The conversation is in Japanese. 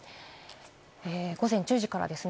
午前１０時からです。